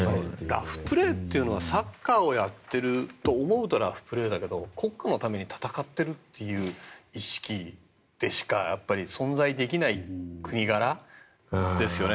ラフプレーっていうのはサッカーをやっていると思うとラフプレーだけど国家のために戦っているという意識でしか存在できない国柄ですよね。